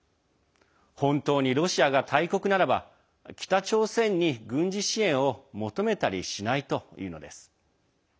本当にロシアが大国ならば北朝鮮に軍事支援を求めたりしないというのです。